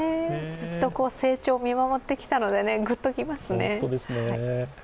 ずっと成長を見守ってきたので、グッときますね。